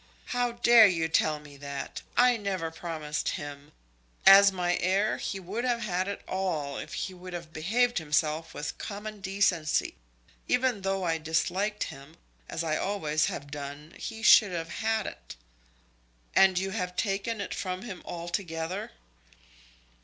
"How dare you tell me that? I never promised him. As my heir, he would have had it all, if he would have behaved himself with common decency. Even though I disliked him, as I always have done, he should have had it." "And you have taken it from him altogether?"